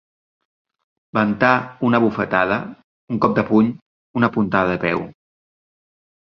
Ventar una bufetada, un cop de puny, una puntada de peu.